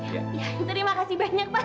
terima kasih banyak pak